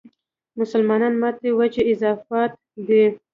مسلمانانو ماتې وجه اضافات دي.